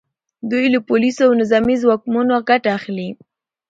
دوی له پولیسو او نظامي ځواکونو ګټه اخلي